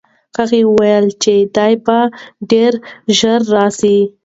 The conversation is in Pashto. هغه وویل چې دی به ډېر ژر راسي.